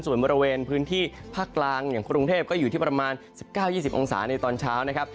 ส่วนบริเวณพื้นที่ภาคกลางอย่างกรุงเทพก็อยู่ที่ประมาณ๑๙๒๐องศาในตอนเช้านะครับ